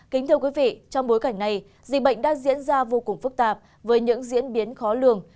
kính thưa quý vị trong bối cảnh này dịch bệnh đang diễn ra vô cùng phức tạp với những diễn biến khó lường